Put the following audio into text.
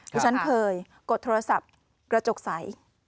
ที่ฉันเคยกดโทรศัพท์กระจกใส